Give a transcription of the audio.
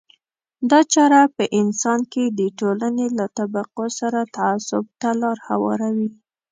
دا چاره په انسان کې د ټولنې له طبقو سره تعصب ته لار هواروي.